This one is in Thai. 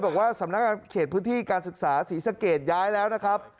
บอกว่าสำนักงานเขตพื้นที่การศึกษาศรีสะเกดย้ายแล้วนะครับ